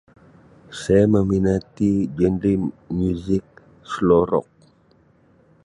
Saya meminati genre muzik slow rock.